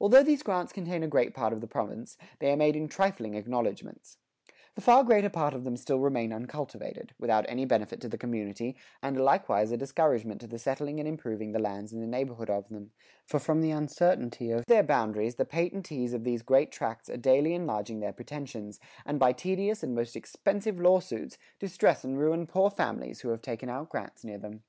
Although these grants contain a great part of the province, they are made in trifling acknowledgements. The far greater part of them still remain uncultivated, without any benefit to the community, and are likewise a discouragement to the settling and improving the lands in the neighborhood of them, for from the uncertainty of their boundaries, the patentees of these great tracts are daily enlarging their pretensions, and by tedious and most expensive law suits, distress and ruin poor families who have taken out grants near them.